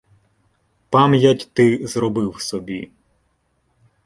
Пам’ять ти зробив собі.